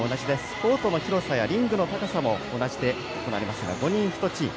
コートの広さやリングの高さも同じで行われますが５人１チーム。